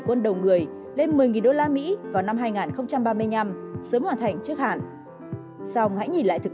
quân đầu người lên một mươi đô la mỹ vào năm hai nghìn ba mươi năm sớm hoàn thành trước hạn xong hãy nhìn lại thực